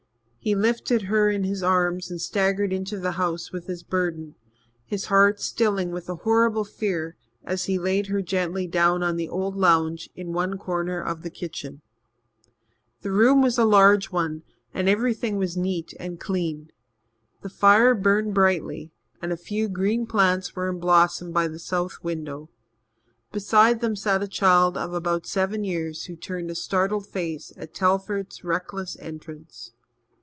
He lifted her in his arms and staggered into the house with his burden, his heart stilling with a horrible fear as he laid her gently down on the old lounge in one corner of the kitchen. The room was a large one and everything was neat and clean. The fire burned brightly, and a few green plants were in blossom by the south window. Beside them sat a child of about seven years who turned a startled face at Telford's reckless entrance.